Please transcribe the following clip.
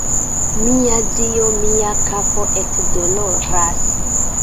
Mia Dio, mia kapo ekdoloras